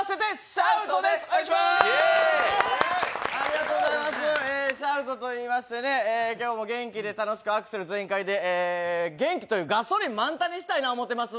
シャウトといいましてね、今日も元気でアクセル全開でガソリン満タンにしたいと思っています。